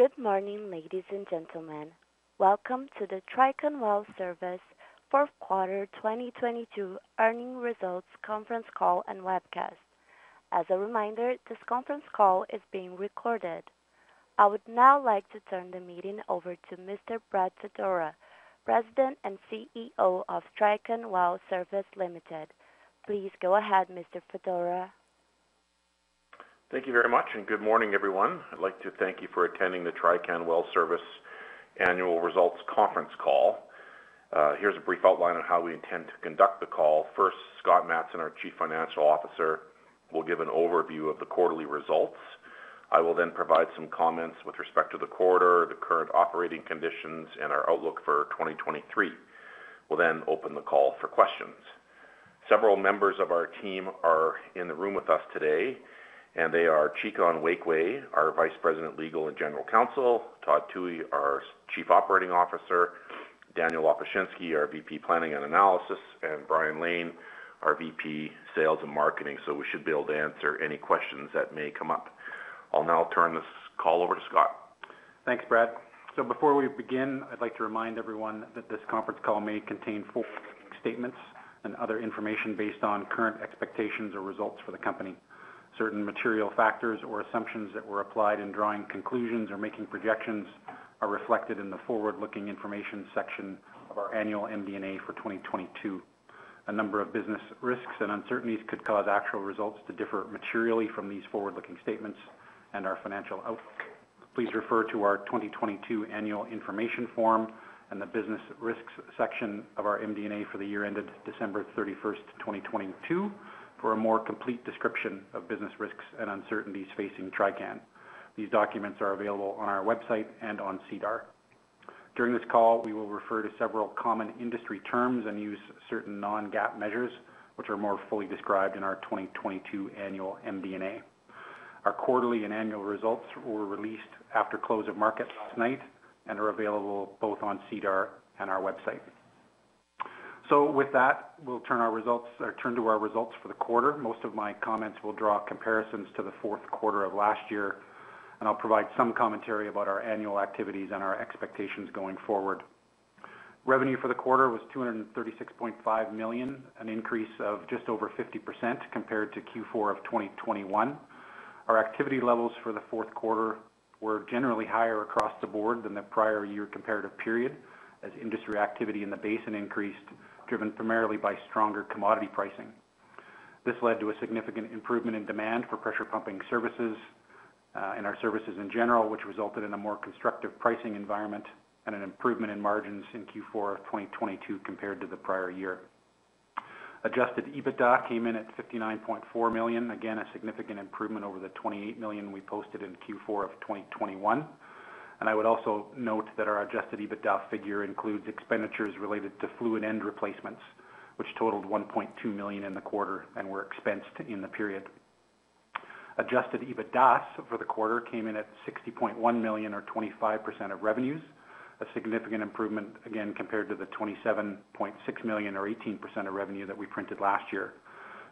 Good morning, ladies and gentlemen. Welcome to the Trican Well Service fourth quarter 2022 earnings results conference call and webcast. As a reminder, this conference call is being recorded. I would now like to turn the meeting over to Mr. Brad Fedora, President and CEO of Trican Well Service Ltd. Please go ahead, Mr. Fedora. Thank you very much, and good morning, everyone. I'd like to thank you for attending the Trican Well Service annual results conference call. Here's a brief outline on how we intend to conduct the call. First, Scott Matson, our Chief Financial Officer, will give an overview of the quarterly results. I will then provide some comments with respect to the quarter, the current operating conditions, and our outlook for 2023. We'll then open the call for questions. Several members of our team are in the room with us today, and they are Chika Onwuekwe, our Vice President, Legal and General Counsel, Todd Thue, our Chief Operating Officer, Daniel Lopushinsky, our VP, Planning and Analysis, and Brian Lane, our VP, Sales and Marketing. We should be able to answer any questions that may come up. I'll now turn this call over to Scott. Thanks, Brad. Before we begin, I'd like to remind everyone that this conference call may contain forward-looking statements and other information based on current expectations or results for the company. Certain material factors or assumptions that were applied in drawing conclusions or making projections are reflected in the forward-looking information section of our annual MD&A for 2022. A number of business risks and uncertainties could cause actual results to differ materially from these forward-looking statements and our financial outlook. Please refer to our 2022 Annual Information Form and the Business Risks section of our MD&A for the year ended December 31st, 2022 for a more complete description of business risks and uncertainties facing Trican. These documents are available on our website and on SEDAR. During this call, we will refer to several common industry terms and use certain non-GAAP measures, which are more fully described in our 2022 annual MD&A. Our quarterly and annual results were released after close of market last night and are available both on SEDAR and our website. With that, we'll turn to our results for the quarter. Most of my comments will draw comparisons to the fourth quarter of last year, and I'll provide some commentary about our annual activities and our expectations going forward. Revenue for the quarter was 236.5 million, an increase of just over 50% compared to Q4 of 2021. Our activity levels for the fourth quarter were generally higher across the board than the prior year comparative period as industry activity in the basin increased, driven primarily by stronger commodity pricing. This led to a significant improvement in demand for pressure pumping services, and our services in general, which resulted in a more constructive pricing environment and an improvement in margins in Q4 of 2022 compared to the prior year. Adjusted EBITDA came in at 59.4 million, again, a significant improvement over the 28 million we posted in Q4 of 2021. I would also note that our adjusted EBITDA figure includes expenditures related to fluid end replacements, which totaled 1.2 million in the quarter and were expensed in the period. Adjusted EBITDAS for the quarter came in at 60.1 million or 25% of revenues, a significant improvement, again, compared to the 27.6 million or 18% of revenue that we printed last year.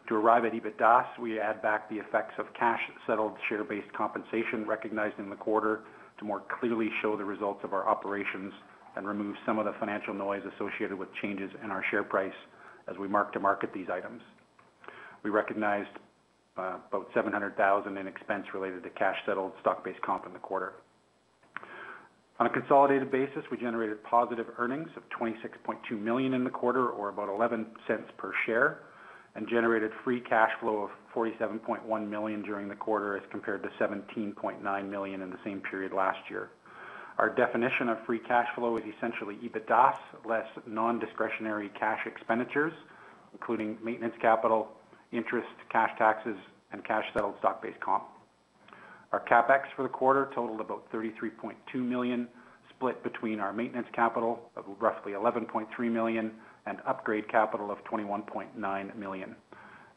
To arrive at EBITDAS, we add back the effects of cash settled share-based compensation recognized in the quarter to more clearly show the results of our operations and remove some of the financial noise associated with changes in our share price as we mark to market these items. We recognized about 700,000 in expense related to cash settled stock-based comp in the quarter. On a consolidated basis, we generated positive earnings of 26.2 million in the quarter, or about 0.11 per share, and generated free cash flow of 47.1 million during the quarter as compared to 17.9 million in the same period last year. Our definition of free cash flow is essentially EBITDAS, less non-discretionary cash expenditures, including maintenance capital, interest, cash taxes, and cash settled stock-based comp. Our CapEx for the quarter totaled about 33.2 million, split between our maintenance capital of roughly 11.3 million and upgrade capital of 21.9 million.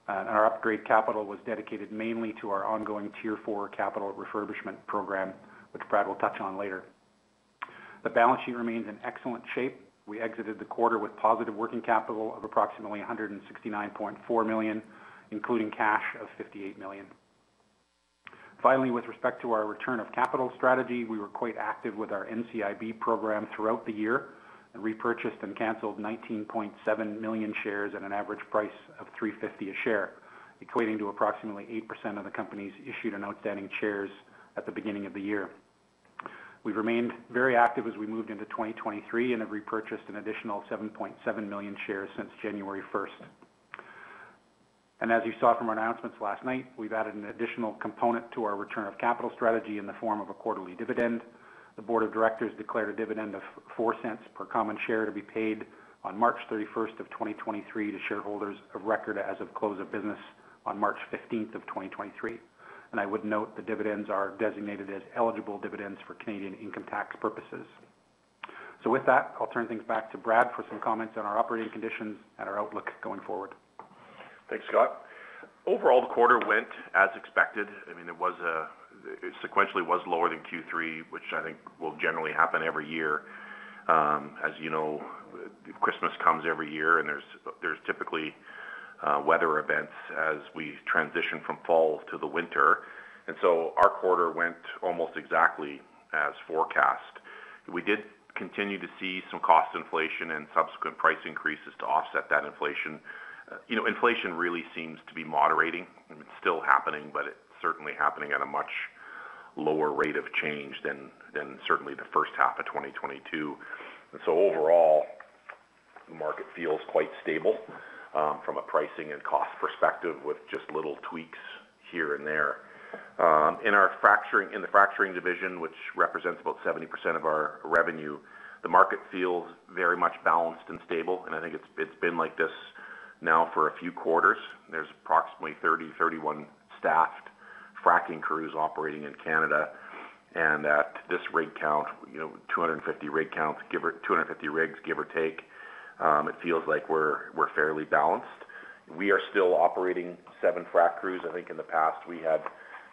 Our upgrade capital was dedicated mainly to our ongoing Tier 4 capital refurbishment program, which Brad will touch on later. The balance sheet remains in excellent shape. We exited the quarter with positive working capital of approximately 169.4 million, including cash of 58 million. Finally, with respect to our return of capital strategy, we were quite active with our NCIB program throughout the year and repurchased and canceled 19.7 million shares at an average price of 3.50 a share, equating to approximately 8% of the company's issued and outstanding shares at the beginning of the year. We've remained very active as we moved into 2023 and have repurchased an additional 7.7 million shares since January 1st. As you saw from our announcements last night, we've added an additional component to our return of capital strategy in the form of a quarterly dividend. The board of directors declared a dividend of 0.04 per common share to be paid on March 31st, 2023 to shareholders of record as of close of business on March 15th, 2023. I would note the dividends are designated as eligible dividends for Canadian income tax purposes. With that, I'll turn things back to Brad for some comments on our operating conditions and our outlook going forward. Thanks, Scott. Overall, the quarter went as expected. I mean, it sequentially was lower than Q3, which I think will generally happen every year. As you know, Christmas comes every year, and there's typically weather events as we transition from fall to the winter. Our quarter went almost exactly as forecast. We did continue to see some cost inflation and subsequent price increases to offset that inflation. You know, inflation really seems to be moderating, and it's still happening, but it's certainly happening at a much lower rate of change than certainly the first half of 2022. Overall, the market feels quite stable from a pricing and cost perspective with just little tweaks here and there. In the fracturing division, which represents about 70% of our revenue, the market feels very much balanced and stable, and I think it's been like this now for a few quarters. There's approximately 31 staffed frac crews operating in Canada. At this rig count, you know, 250 rig counts, 250 rigs, give or take, it feels like we're fairly balanced. We are still operating seven frac crews. I think in the past, we had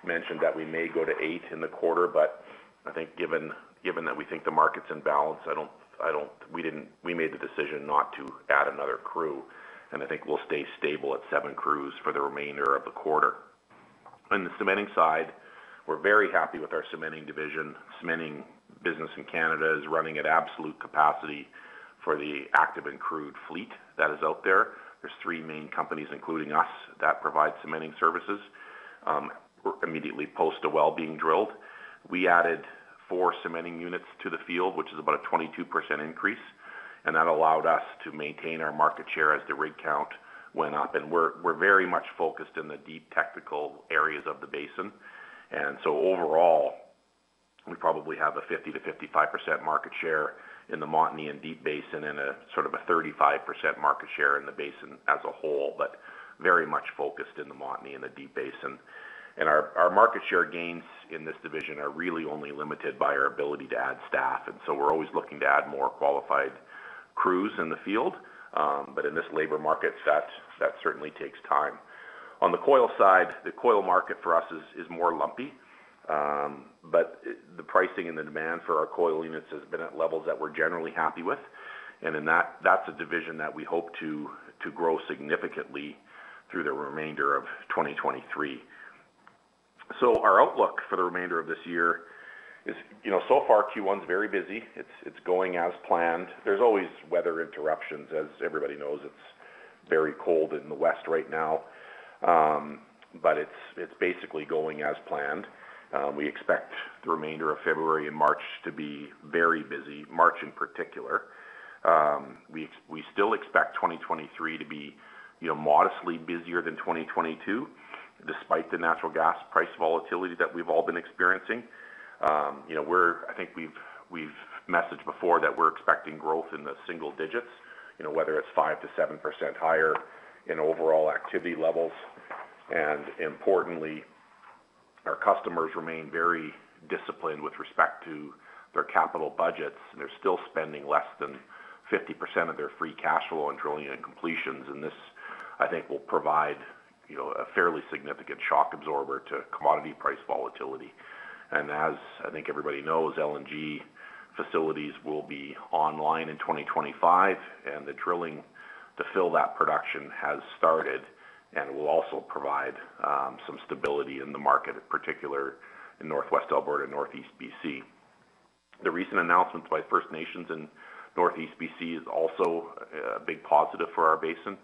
mentioned that we may go to eight in the quarter. I think given that we think the market's in balance, we made the decision not to add another crew, and I think we'll stay stable at seven crews for the remainder of the quarter. On the cementing side, we're very happy with our cementing division. Cementing business in Canada is running at absolute capacity for the active and crude fleet that is out there. There's three main companies, including us, that provide cementing services immediately post a well being drilled. We added four cementing units to the field, which is about a 22% increase, and that allowed us to maintain our market share as the rig count went up. We're very much focused in the deep technical areas of the basin. Overall, we probably have a 50%-55% market share in the Montney and Deep Basin and a sort of a 35% market share in the basin as a whole, but very much focused in the Montney and the Deep Basin. Our market share gains in this division are really only limited by our ability to add staff. We're always looking to add more qualified crews in the field. In this labor market, that certainly takes time. On the coil side, the coil market for us is more lumpy. The pricing and the demand for our coil units has been at levels that we're generally happy with. In that's a division that we hope to grow significantly through the remainder of 2023. Our outlook for the remainder of this year is, you know, so far, Q1's very busy. It's going as planned. There's always weather interruptions. As everybody knows, it's very cold in the West right now. It's basically going as planned. We expect the remainder of February and March to be very busy, March in particular. We still expect 2023 to be, you know, modestly busier than 2022, despite the natural gas price volatility that we've all been experiencing. You know, I think we've messaged before that we're expecting growth in the single digits, you know, whether it's 5%-7% higher in overall activity levels. Importantly, our customers remain very disciplined with respect to their capital budgets, and they're still spending less than 50% of their free cash flow on drilling and completions. This, I think, will provide, you know, a fairly significant shock absorber to commodity price volatility. As I think everybody knows, LNG facilities will be online in 2025, and the drilling to fill that production has started and will also provide some stability in the market, in particular in Northwest Alberta and Northeast BC. The recent announcements by First Nations in Northeast BC is also a big positive for our basin,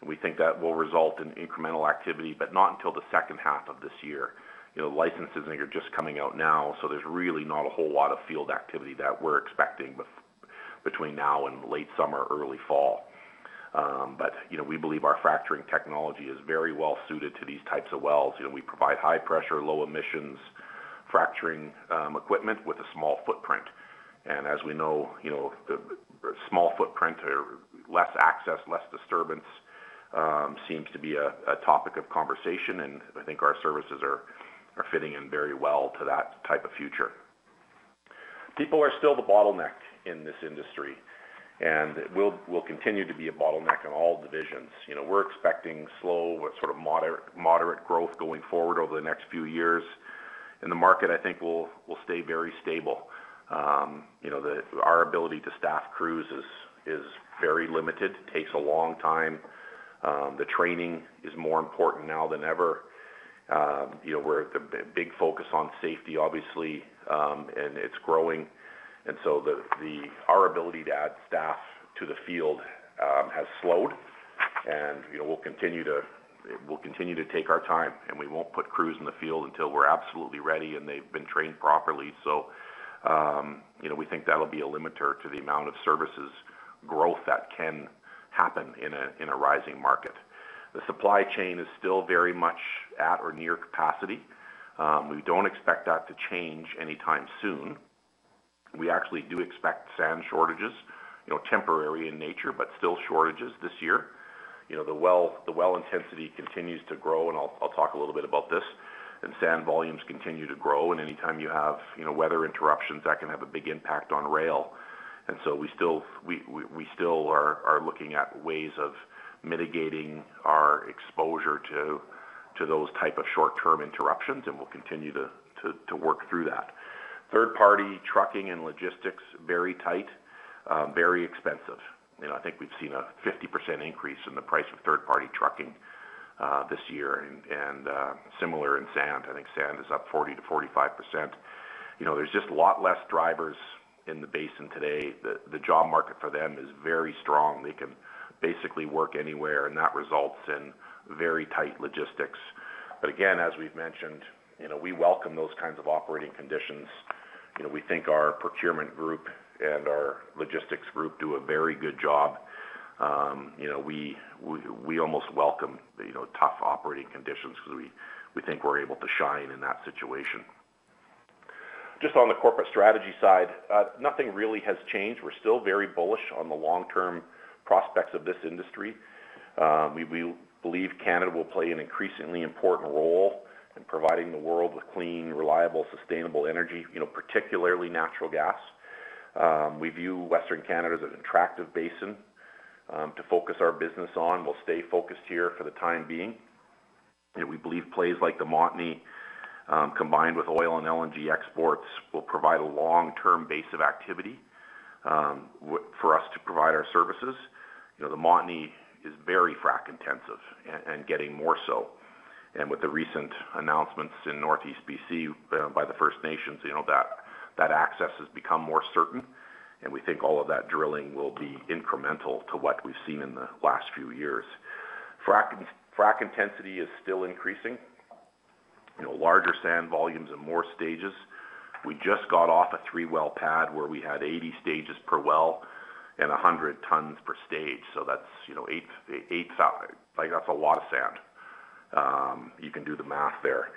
and we think that will result in incremental activity, but not until the second half of this year. You know, licenses are just coming out now, so there's really not a whole lot of field activity that we're expecting between now and late summer, early fall. You know, we believe our fracturing technology is very well suited to these types of wells. You know, we provide high pressure, low emissions fracturing equipment with a small footprint. As we know, you know, the small footprint or less access, less disturbance, seems to be a topic of conversation, and I think our services are fitting in very well to that type of future. People are still the bottleneck in this industry, and it will continue to be a bottleneck in all divisions. You know, we're expecting slow, sort of moderate growth going forward over the next few years. The market, I think, will stay very stable. You know, our ability to staff crews is very limited. It takes a long time. The training is more important now than ever. You know, we're at the big focus on safety, obviously, and it's growing. Our ability to add staff to the field has slowed. You know, we'll continue to take our time, and we won't put crews in the field until we're absolutely ready, and they've been trained properly. You know, we think that'll be a limiter to the amount of services growth that can happen in a, in a rising market. The supply chain is still very much at or near capacity. We don't expect that to change anytime soon. We actually do expect sand shortages, you know, temporary in nature, but still shortages this year. You know, the well intensity continues to grow, and I'll talk a little bit about this. Sand volumes continue to grow, and anytime you have, you know, weather interruptions, that can have a big impact on rail. We still are looking at ways of mitigating our exposure to those type of short-term interruptions, and we'll continue to work through that. Third-party trucking and logistics, very tight, very expensive. You know, I think we've seen a 50% increase in the price of third-party trucking this year and similar in sand. I think sand is up 40%-45%. You know, there's just a lot less drivers in the basin today. The job market for them is very strong. They can basically work anywhere, and that results in very tight logistics. Again, as we've mentioned, you know, we welcome those kinds of operating conditions. You know, we think our procurement group and our logistics group do a very good job. You know, we almost welcome the, you know, tough operating conditions because we think we're able to shine in that situation. Just on the corporate strategy side, nothing really has changed. We're still very bullish on the long-term prospects of this industry. We believe Canada will play an increasingly important role in providing the world with clean, reliable, sustainable energy, you know, particularly natural gas. We view Western Canada as an attractive basin to focus our business on. We'll stay focused here for the time being. You know, we believe plays like the Montney, combined with oil and LNG exports, will provide a long-term base of activity for us to provide our services. You know, the Montney is very frac-intensive and getting more so. With the recent announcements in Northeast BC, by the First Nations, you know, that access has become more certain, we think all of that drilling will be incremental to what we've seen in the last few years. Frac intensity is still increasing. You know, larger sand volumes and more stages. We just got off a 3-well pad where we had 80 stages per well and 100 tons per stage. That's, you know, eight. Like, that's a lot of sand. You can do the math there.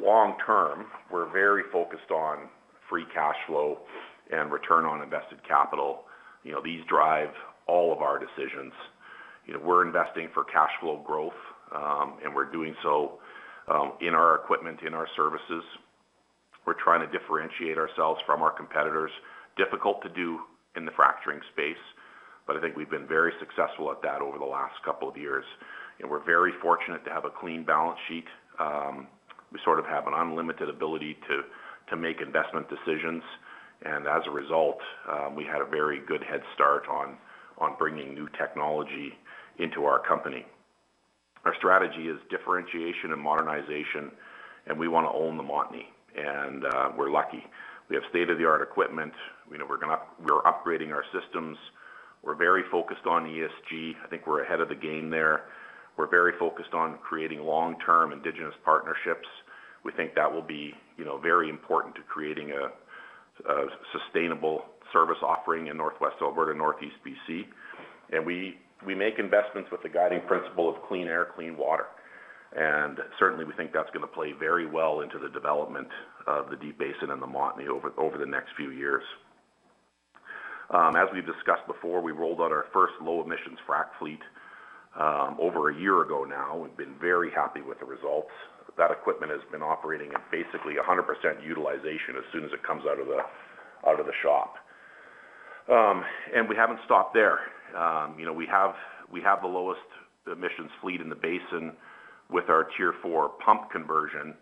Long-term, we're very focused on free cash flow and return on invested capital. You know, these drive all of our decisions. You know, we're investing for cash flow growth, and we're doing so in our equipment, in our services. We're trying to differentiate ourselves from our competitors. Difficult to do in the fracturing space, I think we've been very successful at that over the last couple of years. We're very fortunate to have a clean balance sheet. We sort of have an unlimited ability to make investment decisions. As a result, we had a very good head start on bringing new technology into our company. Our strategy is differentiation and modernization, we wanna own the Montney. We're lucky. We have state-of-the-art equipment. You know, we're upgrading our systems. We're very focused on ESG. I think we're ahead of the game there. We're very focused on creating long-term indigenous partnerships. We think that will be, you know, very important to creating a sustainable service offering in Northwest Alberta, Northeast BC. We, we make investments with the guiding principle of clean air, clean water. Certainly, we think that's gonna play very well into the development of the Deep Basin and the Montney over the next few years. As we've discussed before, we rolled out our first low-emissions frac fleet, over a year ago now, and been very happy with the results. That equipment has been operating at basically 100% utilization as soon as it comes out of the shop. We haven't stopped there. You know, we have the lowest emissions fleet in the basin with our Tier 4 pump conversion.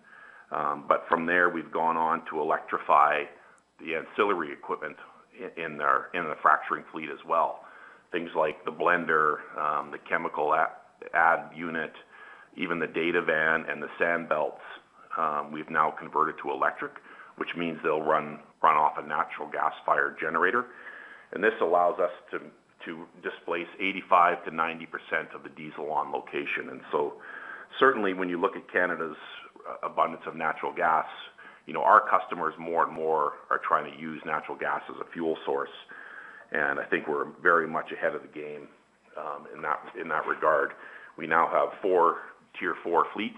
From there, we've gone on to electrify the ancillary equipment in the fracturing fleet as well. Things like the blender, the chemical add unit, even the data van and the sand belts, we've now converted to electric, which means they'll run off a natural gas-fired generator. This allows us to displace 85%-90% of the diesel on location. Certainly, when you look at Canada's abundance of natural gas, you know, our customers more and more are trying to use natural gas as a fuel source. I think we're very much ahead of the game in that regard. We now have four Tier 4 fleets,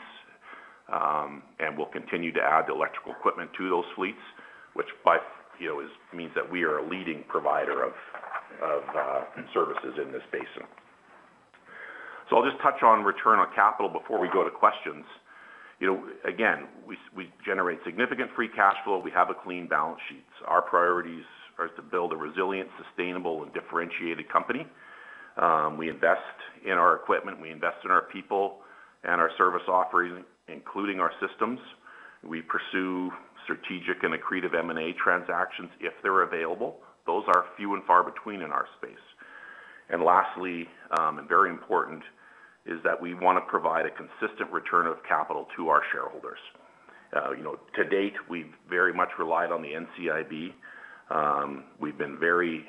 and we'll continue to add the electrical equipment to those fleets, which, you know, means that we are a leading provider of services in this basin. I'll just touch on return on capital before we go to questions. You know, again, we generate significant free cash flow. We have a clean balance sheet. Our priorities are to build a resilient, sustainable and differentiated company. We invest in our equipment, we invest in our people and our service offerings, including our systems. We pursue strategic and accretive M&A transactions if they're available. Those are few and far between in our space. Lastly, and very important, is that we wanna provide a consistent return of capital to our shareholders. You know, to date, we've very much relied on the NCIB. We've been very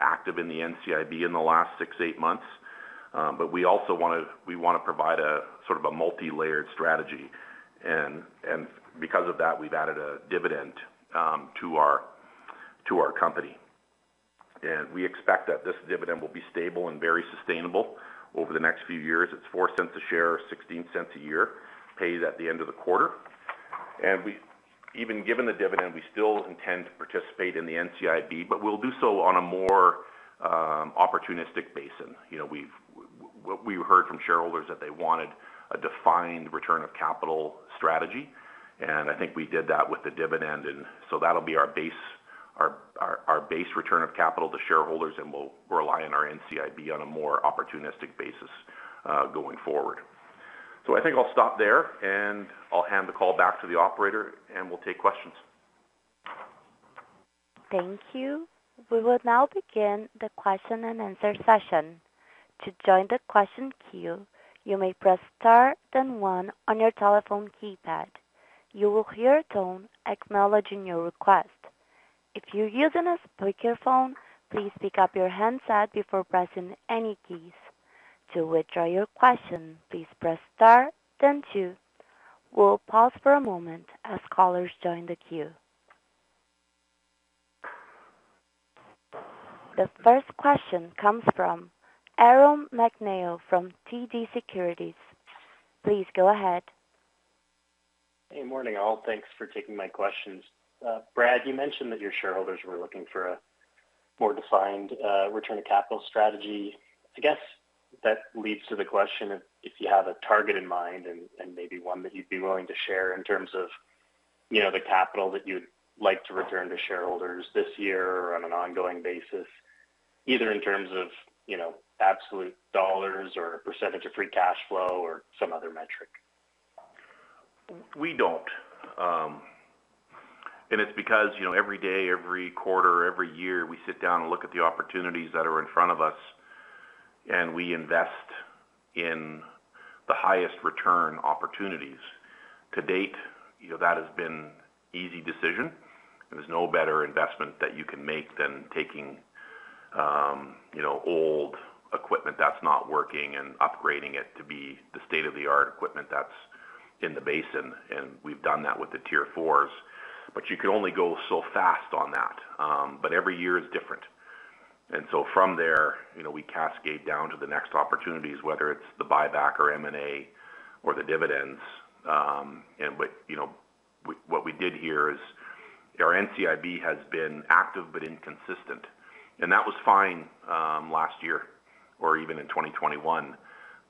active in the NCIB in the last six, eight months. We also wanna provide a, sort of a multilayered strategy. Because of that, we've added a dividend, to our company. We expect that this dividend will be stable and very sustainable over the next few years. It's 0.04 a share, 0.16 cents a year, paid at the end of the quarter. Even given the dividend, we still intend to participate in the NCIB, but we'll do so on a more opportunistic basis. You know, we've, we heard from shareholders that they wanted a defined return of capital strategy, and I think we did that with the dividend. So that'll be our base return of capital to shareholders, and we'll rely on our NCIB on a more opportunistic basis going forward. I think I'll stop there, and I'll hand the call back to the operator, and we'll take questions. Thank you. We will now begin the question-and-answer session. To join the question queue, you may press star then one on your telephone keypad. You will hear a tone acknowledging your request. If you're using a speakerphone, please pick up your handset before pressing any keys. To withdraw your question, please press star then two. We'll pause for a moment as callers join the queue. The first question comes from Aaron MacNeil from TD Securities. Please go ahead. Hey, morning all. Thanks for taking my questions. Brad, you mentioned that your shareholders were looking for a more defined return to capital strategy. I guess that leads to the question of if you have a target in mind and maybe one that you'd be willing to share in terms of, you know, the capital that you'd like to return to shareholders this year on an ongoing basis, either in terms of, you know, absolute dollars or percentage of free cash flow or some other metric? We don't. It's because, you know, every day, every quarter, every year, we sit down and look at the opportunities that are in front of us, and we invest in the highest return opportunities. To date, you know, that has been easy decision. There's no better investment that you can make than taking, you know, old equipment that's not working and upgrading it to be the state-of-the-art equipment that's in the basin, and we've done that with the Tier 4s. You can only go so fast on that. Every year is different. From there, you know, we cascade down to the next opportunities, whether it's the buyback or M&A or the dividends. What we did here is our NCIB has been active but inconsistent, and that was fine, last year or even in 2021.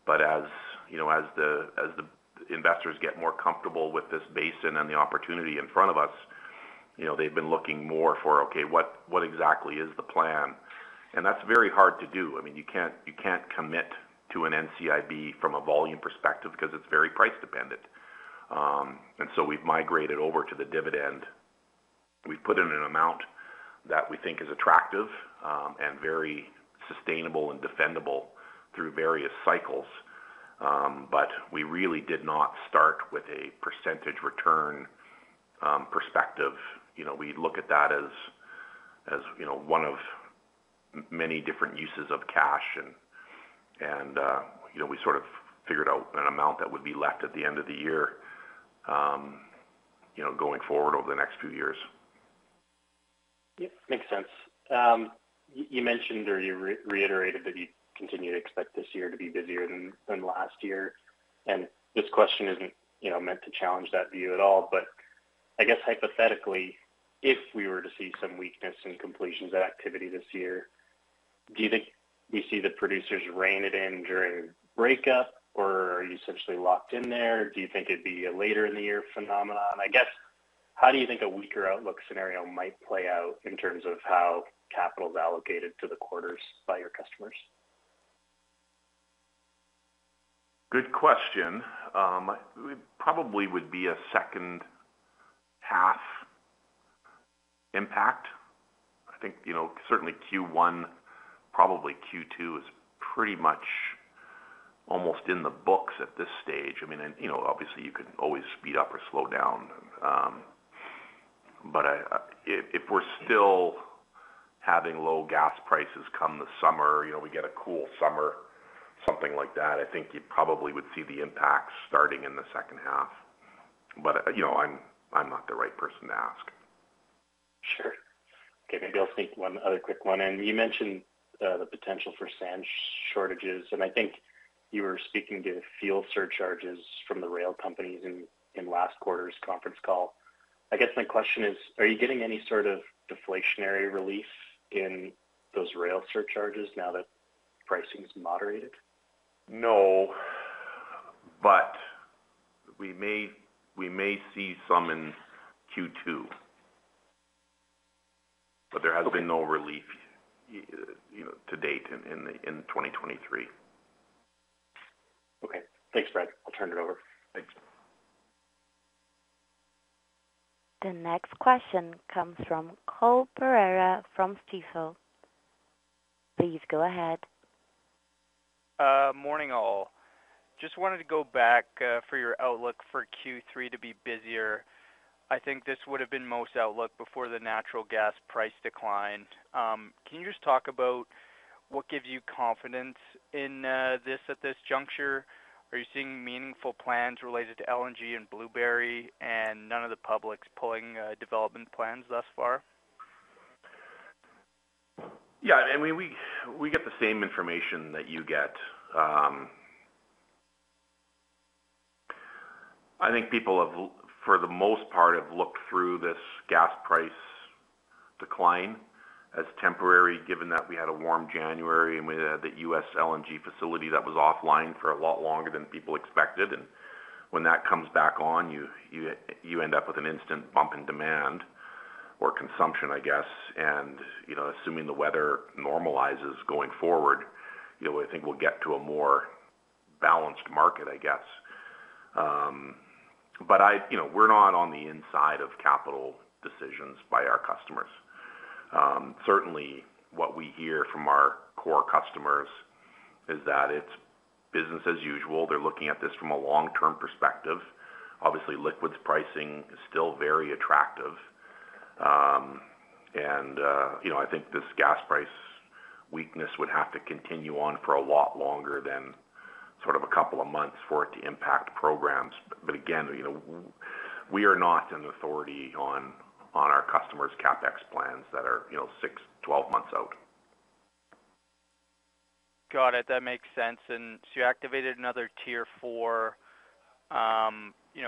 As, you know, as the investors get more comfortable with this basin and the opportunity in front of us, you know, they've been looking more for, okay, what exactly is the plan? That's very hard to do. I mean, you can't commit to an NCIB from a volume perspective because it's very price dependent. We've migrated over to the dividend. We've put in an amount that we think is attractive and very sustainable and defendable through various cycles. We really did not start with a percentage return perspective. You know, we look at that as, you know, one of many different uses of cash and, you know, we sort of figured out an amount that would be left at the end of the year, you know, going forward over the next few years. Yeah, makes sense. You mentioned or you reiterated that you continue to expect this year to be busier than last year. This question isn't, you know, meant to challenge that view at all. I guess hypothetically, if we were to see some weakness in completions and activity this year, do you think we see the producers rein it in during breakup, or are you essentially locked in there? Do you think it'd be a later in the year phenomenon? I guess, how do you think a weaker outlook scenario might play out in terms of how capital is allocated to the quarters by your customers? Good question. It probably would be a second half impact. I think, you know, certainly Q1, probably Q2 is pretty much almost in the books at this stage. I mean, and, you know, obviously, you can always speed up or slow down. If, if we're still having low gas prices come the summer, you know, we get a cool summer, something like that, I think you probably would see the impact starting in the second half. You know, I'm not the right person to ask. Sure. Okay, maybe I'll sneak one other quick one in. You mentioned the potential for sand shortages. I think you were speaking to field surcharges from the rail companies in last quarter's conference call. I guess my question is, are you getting any sort of deflationary relief in those rail surcharges now that pricing is moderated? We may see some in Q2. There has been no relief, you know, to date in 2023. Okay. Thanks, Brad. I'll turn it over. Thanks. The next question comes from Cole Pereira from Stifel. Please go ahead. Morning all. Just wanted to go back for your outlook for Q3 to be busier. I think this would have been most outlook before the natural gas price declined. Can you just talk about what gives you confidence in this at this juncture? Are you seeing meaningful plans related to LNG and Blueberry and none of the publics pulling development plans thus far? Yeah. I mean, we get the same information that you get. I think people have, for the most part, have looked through this gas price decline as temporary, given that we had a warm January, and we had the U.S. LNG facility that was offline for a lot longer than people expected. When that comes back on, you end up with an instant bump in demand or consumption, I guess. You know, assuming the weather normalizes going forward, you know, I think we'll get to a more balanced market, I guess. You know, we're not on the inside of capital decisions by our customers. Certainly what we hear from our core customers is that it's business as usual. They're looking at this from a long-term perspective. Obviously, liquids pricing is still very attractive. You know, I think this gas price weakness would have to continue on for a lot longer than sort of a couple of months for it to impact programs. Again, you know, we are not an authority on our customers' CapEx plans that are, you know, six, 12 months out. Got it. That makes sense. You activated another Tier 4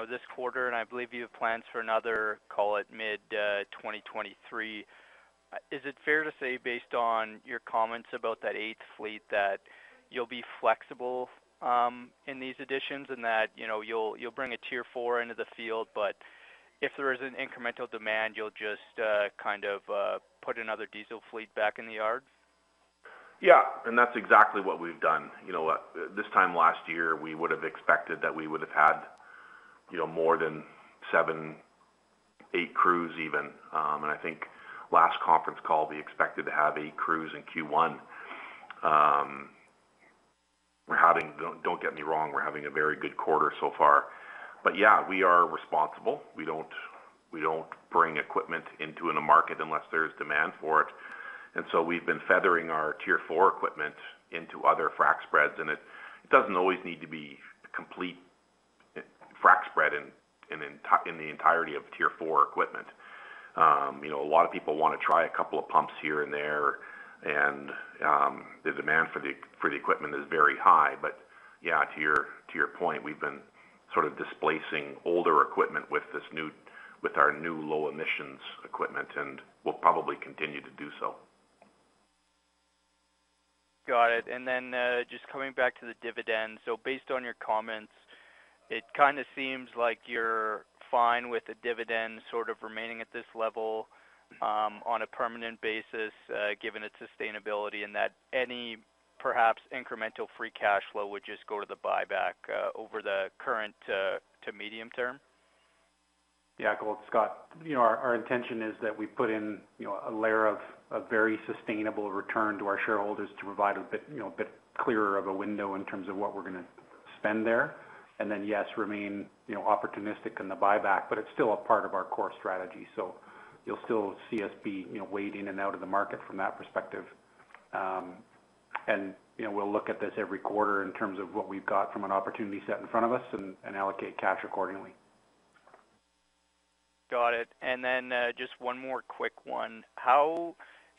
this quarter, and I believe you have plans for another, call it, mid 2023. Is it fair to say, based on your comments about that eighth fleet, that you'll be flexible in these additions and that you'll bring a Tier 4 into the field, but if there is an incremental demand, you'll just kind of put another diesel fleet back in the yard? Yeah. That's exactly what we've done. You know what? This time last year, we would have expected that we would have had, you know, more than seven, eight crews even. I think last conference call, we expected to have eight crews in Q1. Don't get me wrong, we're having a very good quarter so far. Yeah, we are responsible. We don't bring equipment into in a market unless there's demand for it. We've been feathering our Tier 4 equipment into other frac spreads, and it doesn't always need to be a complete frac spread in the entirety of Tier 4 equipment. You know, a lot of people wanna try a couple of pumps here and there, and the demand for the equipment is very high. Yeah, to your point, we've been sort of displacing older equipment with our new low emissions equipment, and we'll probably continue to do so. Got it. Just coming back to the dividend. Based on your comments, it kind of seems like you're fine with the dividend sort of remaining at this level on a permanent basis, given its sustainability, and that any perhaps incremental free cash flow would just go to the buyback over the current to medium term. Yeah. Cool. Scott, you know, our intention is that we put in, you know, a layer of very sustainable return to our shareholders to provide a bit, you know, a bit clearer of a window in terms of what we're gonna spend there. Yes, remain, you know, opportunistic in the buyback, but it's still a part of our core strategy. You'll still see us be, you know, wading in and out of the market from that perspective. You know, we'll look at this every quarter in terms of what we've got from an opportunity set in front of us and allocate cash accordingly. Got it. Just one more quick one. How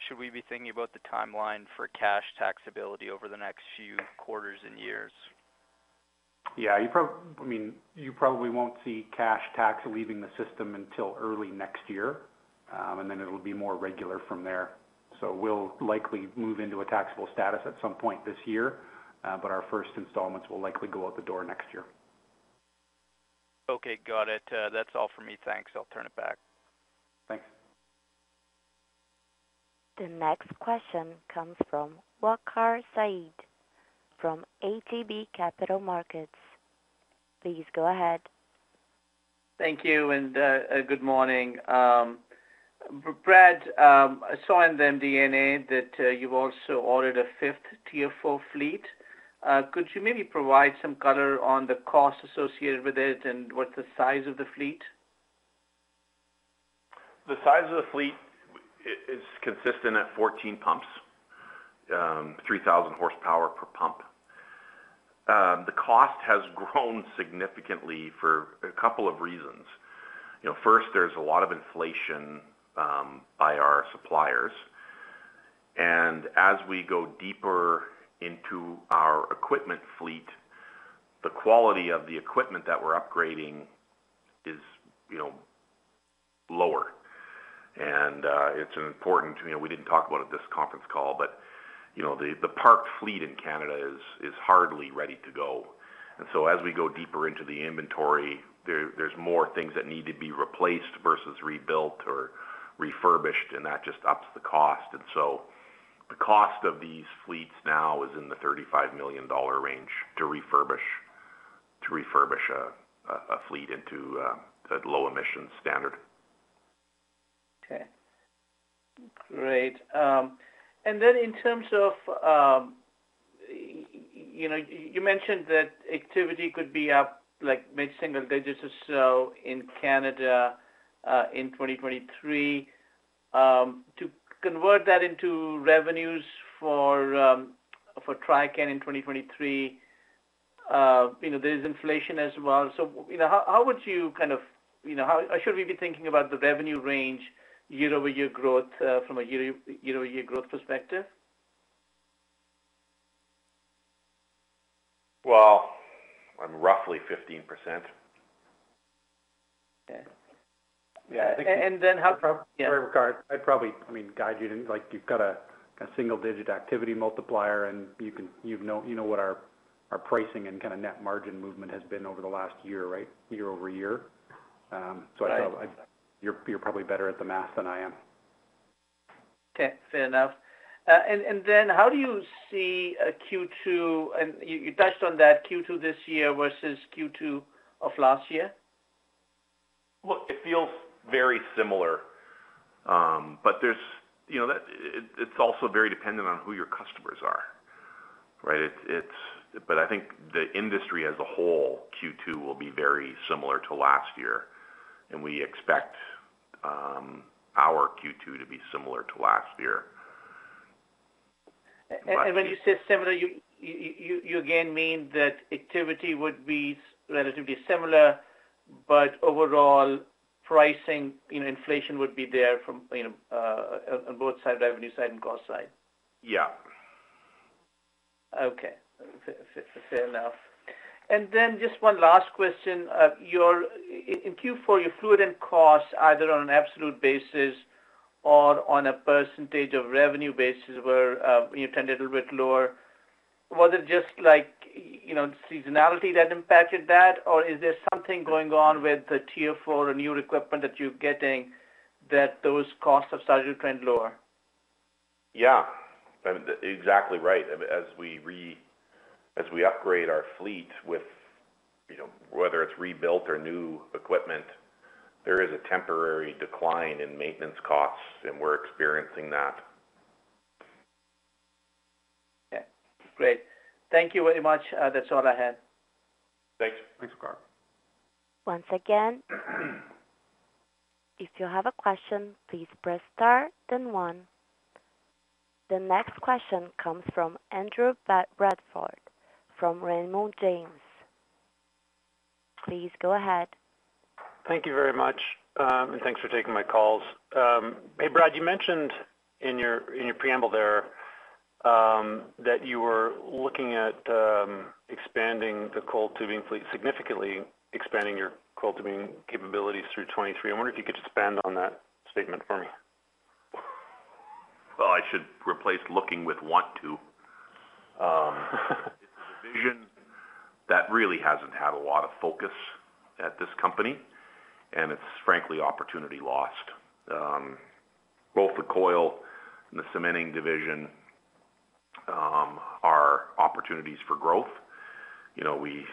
should we be thinking about the timeline for cash taxability over the next few quarters and years? Yeah, I mean, you probably won't see cash tax leaving the system until early next year. Then it'll be more regular from there. We'll likely move into a taxable status at some point this year, but our first installments will likely go out the door next year. Okay, got it. That's all for me. Thanks. I'll turn it back. Thanks. The next question comes from Waqar Syed from ATB Capital Markets. Please go ahead. Thank you, good morning. Brad, I saw in the MD&A that you've also ordered a fifth Tier 4 fleet. Could you maybe provide some color on the cost associated with it and what the size of the fleet? The size of the fleet is consistent at 14 pumps, 3,000 hp per pump. The cost has grown significantly for a couple of reasons. You know, first, there's a lot of inflation by our suppliers. As we go deeper into our equipment fleet, the quality of the equipment that we're upgrading is, you know, lower. It's important, you know, we didn't talk about it this conference call, but, you know, the parked fleet in Canada is hardly ready to go. As we go deeper into the inventory, there's more things that need to be replaced versus rebuilt or refurbished, and that just ups the cost. The cost of these fleets now is in the 35 million dollar range to refurbish a fleet into a low emission standard. Okay. Great. Then in terms of, you know, you mentioned that activity could be up like mid-single digits or so in Canada, in 2023. To convert that into revenues for Trican in 2023, you know, there's inflation as well. You know, how would you kind of, you know, how should we be thinking about the revenue range year-over-year growth, from a year-over-year growth perspective? Well, on roughly 15%. Okay. Yeah, and then. Sorry, Waqar. I'd probably, I mean, guide you to, like, you've got a single-digit activity multiplier. You know what our pricing and kind of net margin movement has been over the last year, right? Year-over-year. I feel like you're probably better at the math than I am. Okay, fair enough. Then how do you see Q2, and you touched on that Q2 this year versus Q2 of last year? Look, it feels very similar. There's, you know, it's also very dependent on who your customers are, right? It's, I think the industry as a whole, Q2 will be very similar to last year, and we expect our Q2 to be similar to last year. When you say similar, you again mean that activity would be relatively similar, but overall pricing, you know, inflation would be there from, you know, on both sides, revenue side and cost side. Yeah. Okay. Fair enough. Just one last question. In Q4, your fluid end costs, either on an absolute basis or on a percentage of revenue basis were, you know, tended a bit lower. Was it just like, you know, seasonality that impacted that? Or is there something going on with the Tier 4 new equipment that you're getting that those costs have started to trend lower? Yeah, exactly right. As we upgrade our fleet with, you know, whether it's rebuilt or new equipment, there is a temporary decline in maintenance costs, and we're experiencing that. Okay, great. Thank you very much. That's all I had. Thanks. Thanks, Waqar. Once again, if you have a question, please press star then one. The next question comes from Andrew Bradford from Raymond James. Please go ahead. Thank you very much. Thanks for taking my calls. Hey, Brad, you mentioned in your, in your preamble there, that you were looking at expanding the coiled tubing fleet, significantly expanding your coiled tubing capabilities through 2023. I wonder if you could expand on that statement for me. Well, I should replace looking with want to. It's a division that really hasn't had a lot of focus at this company, and it's frankly opportunity lost. Both the coil and the cementing division are opportunities for growth. You know, we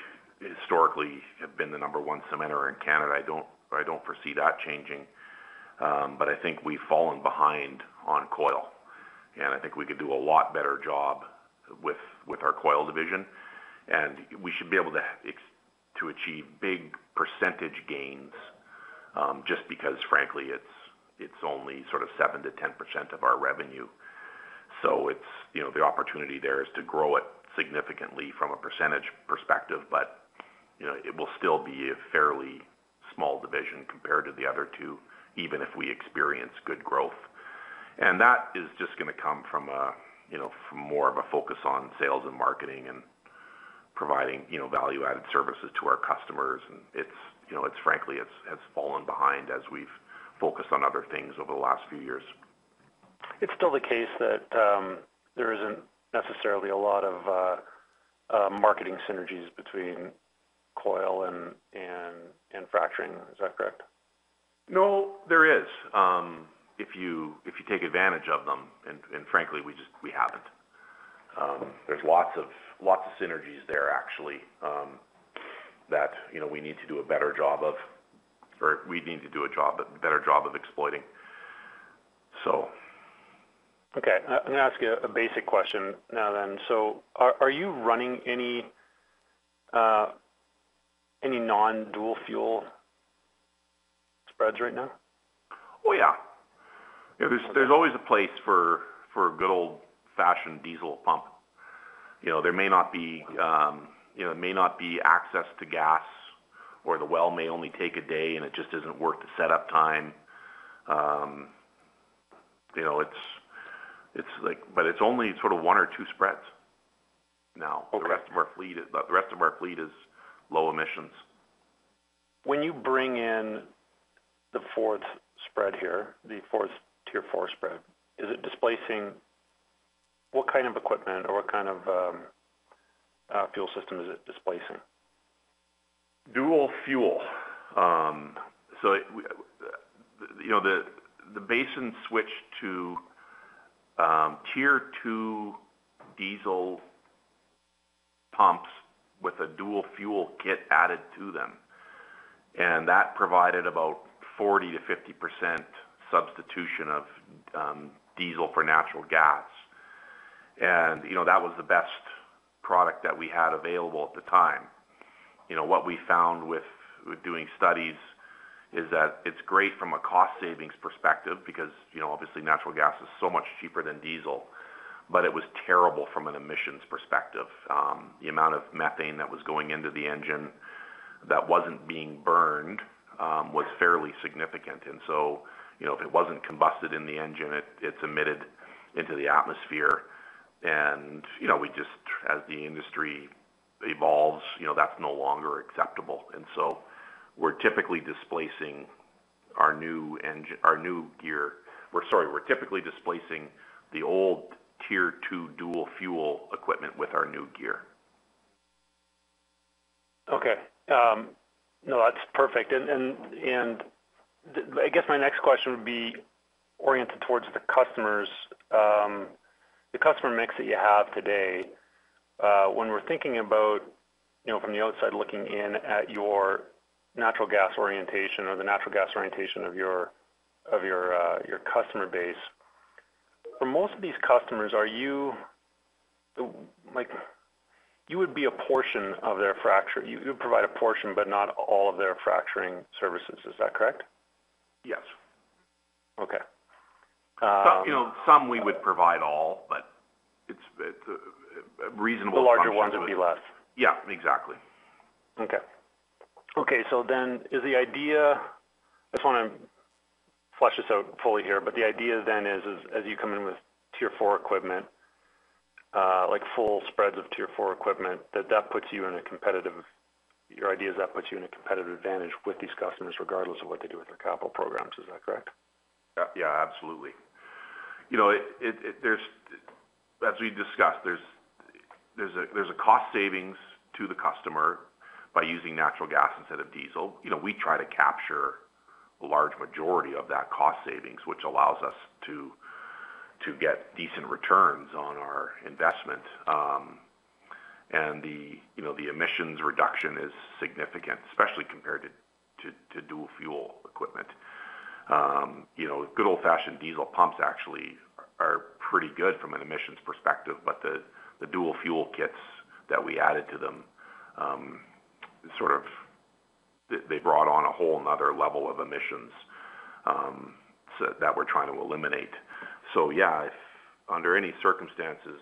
historically have been the number one cementer in Canada. I don't foresee that changing, but I think we've fallen behind on coil, and I think we could do a lot better job with our coil division. We should be able to achieve big percentage gains just because, frankly, it's only sort of 7%-10% of our revenue. It's, you know, the opportunity there is to grow it significantly from a percentage perspective, but, you know, it will still be a fairly small division compared to the other two, even if we experience good growth. That is just gonna come from a, you know, from more of a focus on sales and marketing and providing, you know, value-added services to our customers. It's, you know, it's frankly, it's fallen behind as we've focused on other things over the last few years. It's still the case that, there isn't necessarily a lot of marketing synergies between coil and fracturing. Is that correct? No, there is, if you take advantage of them, and frankly, we haven't. There's lots of synergies there actually, that, you know, we need to do a better job of or we need to do a better job of exploiting. I'm gonna ask you a basic question now. Are you running any non-dual fuel spreads right now? Oh, yeah. There's always a place for a good old-fashioned diesel pump. You know, there may not be access to gas, or the well may only take a day, and it just isn't worth the setup time. You know, it's like. It's only sort of one or two spreads now. Okay. The rest of our fleet is low emissions. When you bring in the fourth spread here, the fourth Tier 4 spread, is it displacing what kind of equipment or what kind of fuel system is it displacing? Dual fuel. You know, the basin switched to Tier 2 diesel pumps with a dual fuel kit added to them, and that provided about 40%-50% substitution of diesel for natural gas. You know, that was the best product that we had available at the time. You know, what we found with doing studies is that it's great from a cost savings perspective because, you know, obviously natural gas is so much cheaper than diesel, but it was terrible from an emissions perspective. The amount of methane that was going into the engine. That wasn't being burned, was fairly significant. You know, if it wasn't combusted in the engine, it's emitted into the atmosphere. You know, as the industry evolves, you know, that's no longer acceptable. We're typically displacing the old Tier 2 dual fuel equipment with our new gear. Okay. No, that's perfect. I guess my next question would be oriented towards the customers. The customer mix that you have today, when we're thinking about, you know, from the outside, looking in at your natural gas orientation or the natural gas orientation of your customer base, for most of these customers, are you Like, you would be a portion of their fracture? You, you provide a portion, but not all of their fracturing services. Is that correct? Yes. Okay. you know, some we would provide all, but it's a reasonable function-. The larger ones would be less. Yeah, exactly. Okay. Okay. I just wanna flush this out fully here, but the idea then is as you come in with Tier 4 equipment, like full spreads of Tier 4 equipment, your idea is that puts you in a competitive advantage with these customers regardless of what they do with their capital programs. Is that correct? Yeah, absolutely. You know, it, there's, as we discussed, there's a cost savings to the customer by using natural gas instead of diesel. You know, we try to capture a large majority of that cost savings, which allows us to get decent returns on our investment. The, you know, the emissions reduction is significant, especially compared to dual fuel equipment. You know, good old-fashioned diesel pumps actually are pretty good from an emissions perspective, but the dual fuel kits that we added to them, sort of they brought on a whole another level of emissions, so that we're trying to eliminate. Yeah, if under any circumstances,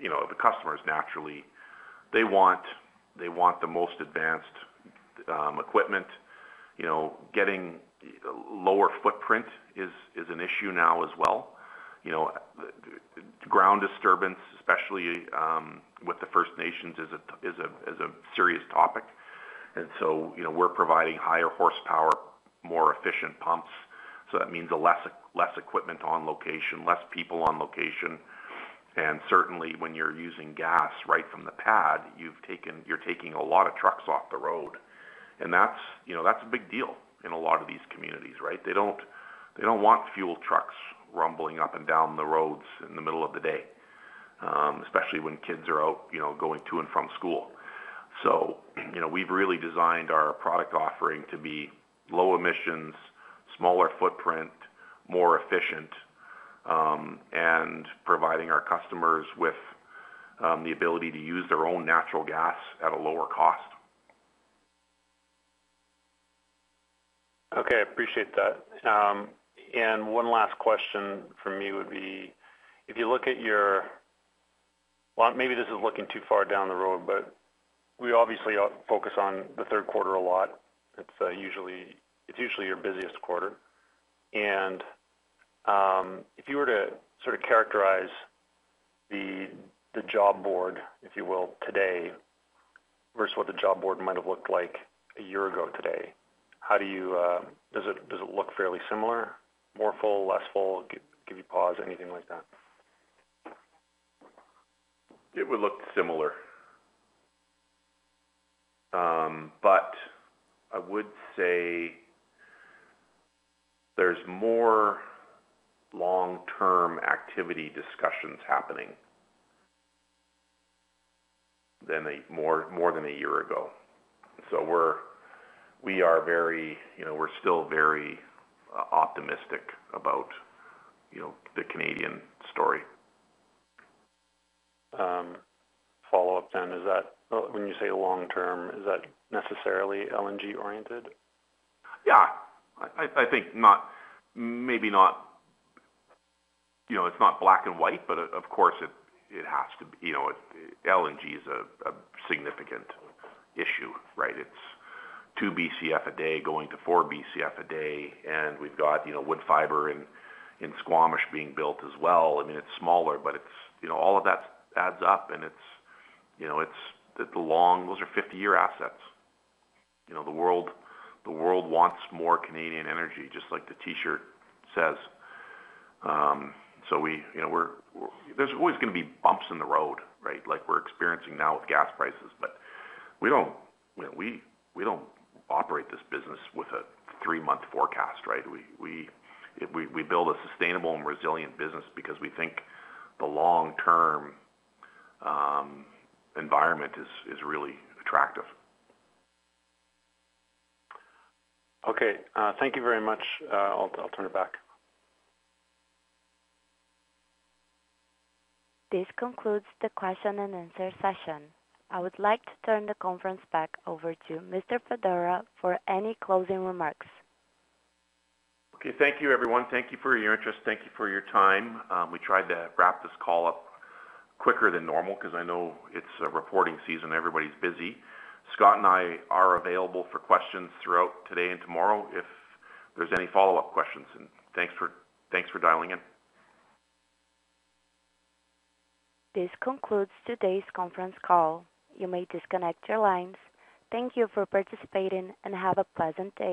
you know, the customers naturally, they want the most advanced equipment. You know, getting lower footprint is an issue now as well. You know, the ground disturbance, especially with the First Nations is a serious topic. You know, we're providing higher horsepower, more efficient pumps, so that means a less equipment on location, less people on location. Certainly, when you're using gas right from the pad, you're taking a lot of trucks off the road. That's, you know, that's a big deal in a lot of these communities, right? They don't want fuel trucks rumbling up and down the roads in the middle of the day, especially when kids are out, you know, going to and from school. You know, we've really designed our product offering to be low emissions, smaller footprint, more efficient, and providing our customers with the ability to use their own natural gas at a lower cost. Okay, I appreciate that. One last question from me would be, if you look at your... Well, maybe this is looking too far down the road, but we obviously all focus on the third quarter a lot. It's usually your busiest quarter. If you were to sort of characterize the job board, if you will, today versus what the job board might have looked like a year ago today, how do you... Does it look fairly similar, more full, less full? Give you pause, anything like that? It would look similar. I would say there's more long-term activity discussions happening than a year ago. We are very, you know, we're still very optimistic about, you know, the Canadian story. Follow-up then, is that when you say long-term, is that necessarily LNG oriented? Yeah, I think not, maybe not... You know, it's not black and white, but of course it has to be. You know, LNG is a significant issue, right? It's 2 BCF a day going to 4 BCF a day. We've got, you know, Woodfibre LNG in Squamish being built as well. I mean, it's smaller, but it's, you know, all of that adds up, and it's, you know, it's the long... Those are 50-year assets. You know, the world, the world wants more Canadian energy, just like the T-shirt says. So we, you know, we're... There's always gonna be bumps in the road, right? Like we're experiencing now with gas prices. We don't, you know, we don't operate this business with a three-month forecast, right? We build a sustainable and resilient business because we think the long-term environment is really attractive. Okay. Thank you very much. I'll turn it back. This concludes the question and answer session. I would like to turn the conference back over to Mr. Fedora for any closing remarks. Okay. Thank you, everyone. Thank you for your interest. Thank you for your time. We tried to wrap this call up quicker than normal because I know it's a reporting season, everybody's busy. Scott and I are available for questions throughout today and tomorrow if there's any follow-up questions. Thanks for dialing in. This concludes today's conference call. You may disconnect your lines. Thank you for participating, and have a pleasant day.